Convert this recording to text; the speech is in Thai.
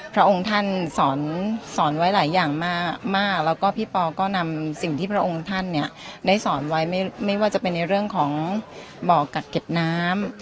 พระองค์ท่านสอนไว้หลายอย่างมากแล้วก็พี่ปอก็นำสิ่งที่พระองค์ท่านเนี่ยได้สอนไว้ไม่ว่าจะเป็นในเรื่องของบ่อกักเก็บน้ำ